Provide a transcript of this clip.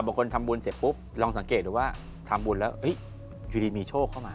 บางคนทำบุญเสร็จปุ๊บลองสังเกตดูว่าทำบุญแล้วอยู่ดีมีโชคเข้ามา